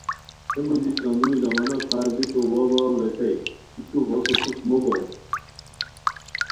ہے موژی کندروی زمانہ پھار بیکو وا واؤ ریتائے کی تو ہوتے پروشٹ موبوغے،